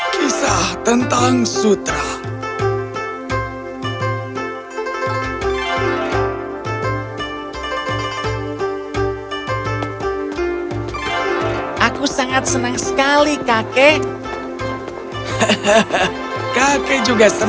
kisah tentang sutra